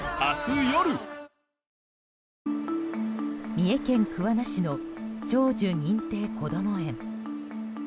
三重県桑名市の長寿認定こども園。